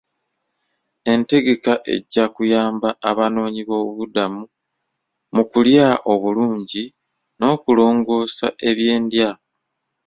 Entegeka ejja kuyamba abanoonyi b'obubuddamu mu kulya obulungi n'okulongoosa eby'endya.